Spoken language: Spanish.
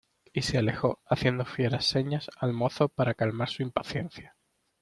y se alejó haciendo fieras señas al mozo para calmar su impaciencia.